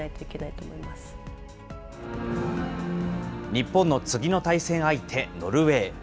日本の次の対戦相手、ノルウェー。